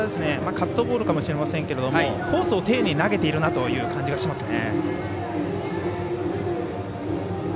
カットボールかもしれませんけどコースを丁寧に投げているという感じがしますね。